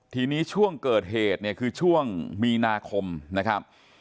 ทีนี้ช่วงเกิดเหตุเนี่ยคือช่วงมีนาคมนะครับ